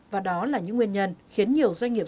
và đó là những nguyên nhân khiến nhiều doanh nghiệp